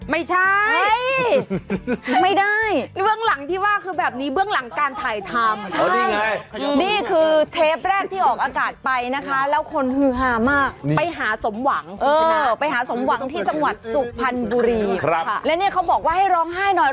ไม่ใช่คุณหันหลังเลย